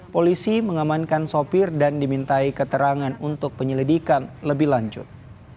polisi mengamankan sopir dan dimintai keterangan untuk penyelidikan lebih lanjut